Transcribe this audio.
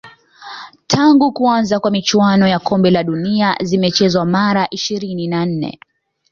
tangu kuanza kwa michuano ya kombe la dunia zimechezwa mara ishiri na nne